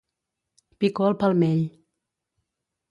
Picor al palmell.